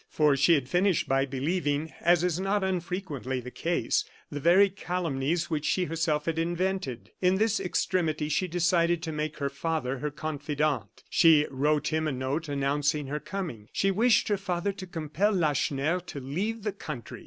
For she had finished by believing as is not unfrequently the case the very calumnies which she herself had invented. In this extremity she decided to make her father her confidant; and she wrote him a note announcing her coming. She wished her father to compel Lacheneur to leave the country.